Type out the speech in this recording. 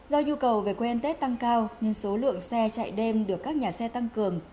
do nhu cầu về quê ăn tết tăng cao nên số lượng xe chạy đêm được các nhà xe tăng cường